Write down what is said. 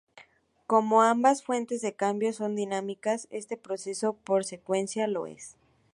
Como ambas fuentes de cambio son dinámicas, este proceso por consecuencia lo es.